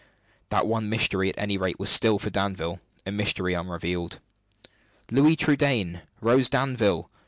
That one mystery, at any rate was still, for Danville, a mystery unrevealed. "Louis Trudaine! Rose Danville!"